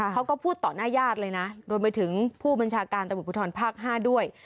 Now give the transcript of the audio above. เขาก็พูดต่อหน้าญาติเลยนะรวมไปถึงผู้บัญชาการตำรวจภูทรภาค๕ด้วย